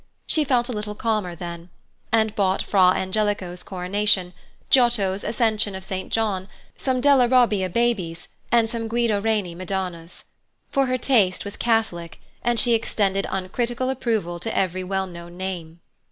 She felt a little calmer then, and bought Fra Angelico's "Coronation," Giotto's "Ascension of St. John," some Della Robbia babies, and some Guido Reni Madonnas. For her taste was catholic, and she extended uncritical approval to every well known name.